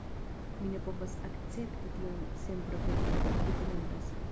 Mi ne povas akcepti tion senproteste, li komentas.